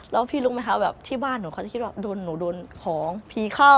แล้วพี่รู้ไหมคะแบบที่บ้านหนูเขาจะคิดว่าหนูโดนของผีเข้า